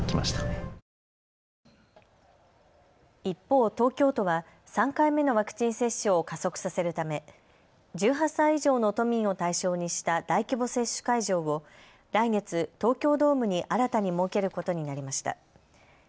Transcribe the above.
一方、東京都は３回目のワクチン接種を加速させるため１８歳以上の都民を対象にした大規模接種会場を来月、東京ドームに新たに設けることになりました。